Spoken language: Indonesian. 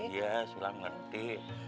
iya sulam ngerti